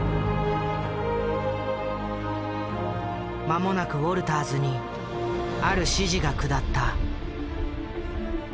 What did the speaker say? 間もなくウォルターズにある指示が下った。